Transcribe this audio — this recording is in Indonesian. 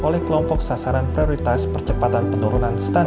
oleh kelompok sasaran prioritas percepatan penurunan status